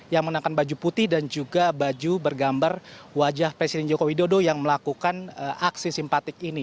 yang mengenakan baju putih dan juga baju bergambar wajah presiden joko widodo yang melakukan aksi simpatik ini